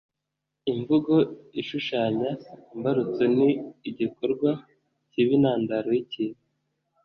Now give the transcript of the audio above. imvugo ishushanya, imbarutso ni igikorwa kiba intandaro y’ikintu.